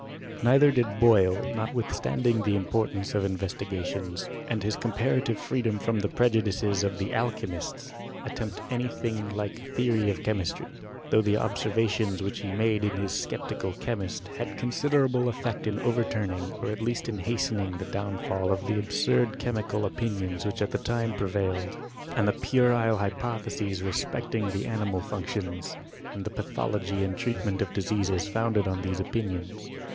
Neither did Boyle, notwithstanding the importance of his investigations, and his compa* rative freedom from the prejudices of the alchymists, attempt any thing like a theory of chemistry ; though the observations which he made in his Sceptical Che mist, had considerable effect in overturning, or at least in hastening the downfal of the absurd chemical opi . nions which at that time prevailed, and the puerile hypotheses respecting the animal functions, and the pathology and treatment of diseases founded on these opinions.